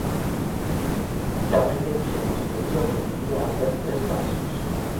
Tamén lle dixemos que iso requiría andar tres pasos.